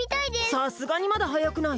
さすがにまだはやくない？